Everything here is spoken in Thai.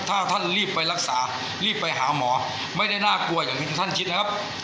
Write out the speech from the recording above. ถ้าท่านรีบไปรักษารีบไปหาหมอไม่ได้น่ากลัวอย่างที่ท่านคิดนะครับ